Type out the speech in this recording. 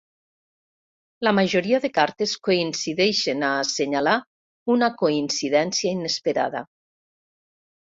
La majoria de cartes coincidien a assenyalar una coincidència inesperada.